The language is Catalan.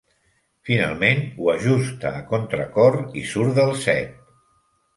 Finalment, ho ajusta a contracor i surt del set.